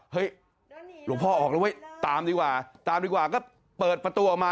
หลวงพ่อออกแล้วเว้ยตามดีกว่าตามดีกว่าก็เปิดประตูออกมา